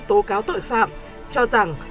tố cáo tội phạm cho rằng